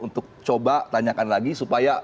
untuk coba tanyakan lagi supaya